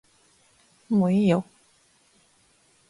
もういいよ